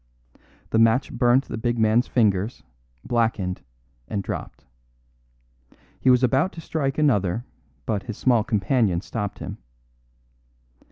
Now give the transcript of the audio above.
The match burnt the big man's fingers, blackened, and dropped. He was about to strike another, but his small companion stopped him.